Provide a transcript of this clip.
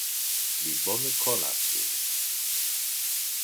Mi bone konas Vin!